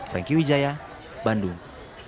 franky widjaya bandung